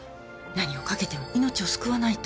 何をかけても命を救わないと。